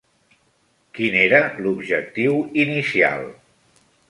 Quin era l'objectiu inicial?